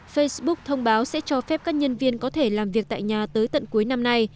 facebook thông báo sẽ cho phép các nhân viên có thể làm việc tại nhà tới tận cuối năm nay